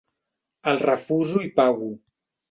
El refuso i pago.